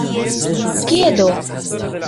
Kie do?